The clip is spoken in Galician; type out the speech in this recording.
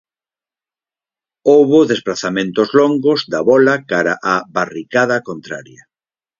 Houbo desprazamentos longos da bola cara á barricada contraria.